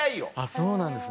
そうなんですね。